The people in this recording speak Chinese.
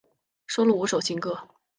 收录五首新歌。